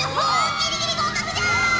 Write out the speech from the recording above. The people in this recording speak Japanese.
ギリギリ合格じゃ！